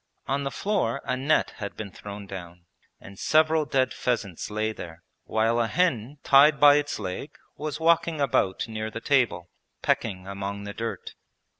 On the floor a net had been thrown down and several dead pheasants lay there, while a hen tied by its leg was walking about near the table pecking among the dirt.